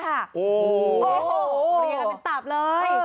โอ้โหเรียกมันตับเลย